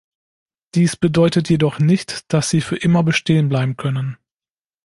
Dies bedeutet jedoch nicht, dass sie für immer bestehen bleiben können.